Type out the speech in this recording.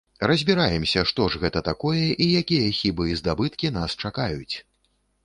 Разбіраемся, што ж гэта такое і якія хібы і здабыткі нас чакаюць.